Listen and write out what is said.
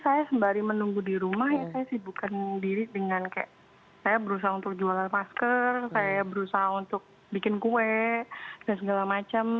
saya sembari menunggu di rumah ya saya sibukkan diri dengan kayak saya berusaha untuk jualan masker saya berusaha untuk bikin kue dan segala macam